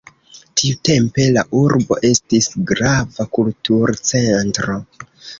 Tiutempe la urbo estis grava kulturcentro.